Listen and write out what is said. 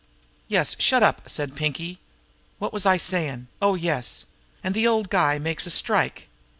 "Yes, shut up!" said Pinkie. "What was I sayin'? Oh, yes! An' then the old guy makes a strike.